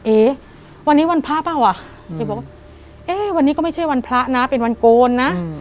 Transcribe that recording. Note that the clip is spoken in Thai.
เอ๊วันนี้วันพระเปล่าว่ะเอบอกว่าเอ๊ะวันนี้ก็ไม่ใช่วันพระนะเป็นวันโกนนะ